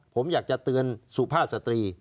ผมอยากจะเตือนสุภาพสตรี